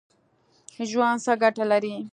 ژوند څه ګټه لري ؟